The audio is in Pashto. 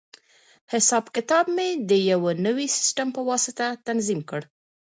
حساب کتاب مې د یوې نوې سیسټم په واسطه تنظیم کړ.